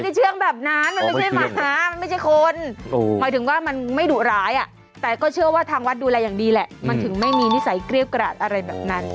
เชื่องแบบนั้นมันไม่ใช่หมามันไม่ใช่คนหมายถึงว่ามันไม่ดุร้ายอ่ะแต่ก็เชื่อว่าทางวัดดูแลอย่างดีแหละมันถึงไม่มีนิสัยเกรี้ยวกราดอะไรแบบนั้น